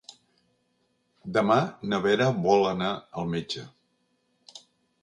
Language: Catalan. Demà na Vera vol anar al metge.